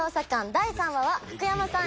第３話は福山さん